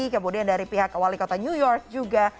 kemudian dari pihak wali kota new york juga